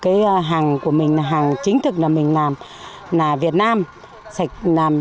cái hàng của mình là hàng chính thực là mình làm là việt nam sạch một trăm linh